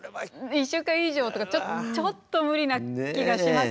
１週間以上とかちょっと無理な気がしますよね。